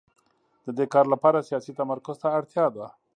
د دې کار لپاره سیاسي تمرکز ته اړتیا ده